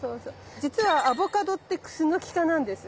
じつはアボカドってクスノキ科なんです。